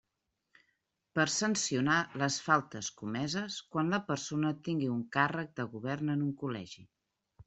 Per sancionar les faltes comeses quan la persona tingui un càrrec de govern en un col·legi.